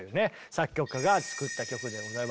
作曲家が作った曲でございます。